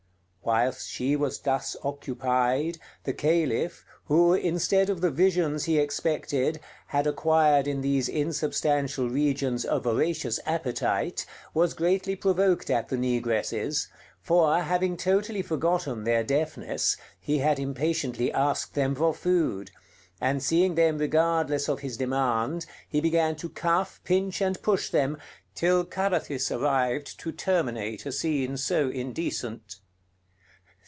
Whilst she was thus occupied, the Caliph, who, instead of the visions he expected, had acquired in these insubstantial regions a voracious appetite, was greatly provoked at the negresses: for, having totally forgotten their deafness, he had impatiently asked them for food; and seeing them regardless of his demand, he began to cuff, pinch, and push them, till Carathis arrived to terminate a scene so indecent....